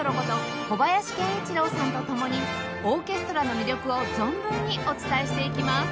小林研一郎さんと共にオーケストラの魅力を存分にお伝えしていきます